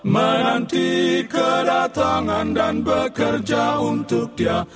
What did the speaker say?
menanti kedatangan dan bekerja untuk dia